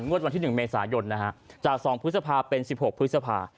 วันที่๑เมษายนจาก๒พฤษภาเป็น๑๖พฤษภา